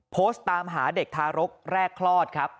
โพสต์ตามหาเด็กทารกแรกคลอดครับ